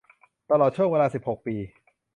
ตลอดช่วงเวลา สิบหก ปี